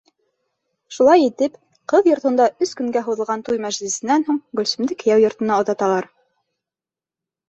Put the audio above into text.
Шулай итеп, ҡыҙ йортонда өс көнгә һуҙылған туй мәжлесенән һуң, Гөлсөмдө кейәү йортона оҙаталар.